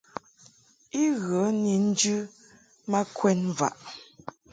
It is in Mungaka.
I ghə ni njɨ ma kwɛd mvaʼ.